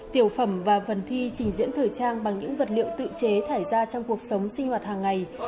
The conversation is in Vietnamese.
tiểu phẩm và phần thi trình diễn thời trang bằng những vật liệu tự chế thải ra trong cuộc sống sinh hoạt hàng ngày